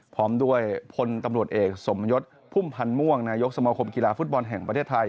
พร้อมด้วยพลตำรวจเอกสมยศพุ่มพันธ์ม่วงนายกสมคมกีฬาฟุตบอลแห่งประเทศไทย